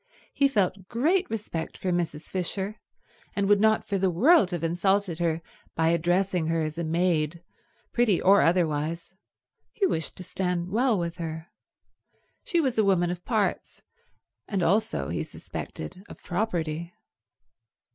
He felt great respect for Mrs. Fisher, and would not for the world have insulted her by addressing her as a maid, pretty or otherwise. He wished to stand well with her. She was a woman of parts, and also, he suspected, of property.